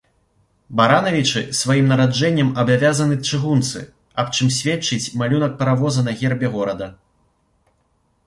Баранавічы сваім нараджэннем абавязаны чыгунцы, аб чым сведчыць малюнак паравоза на гербе горада.